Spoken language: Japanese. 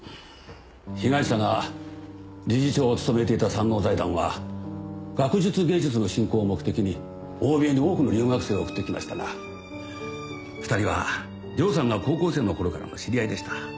被害者が理事長を務めていた山王財団は学術芸術の振興を目的に欧米に多くの留学生を送ってきましたが２人は涼さんが高校生の頃からの知り合いでした。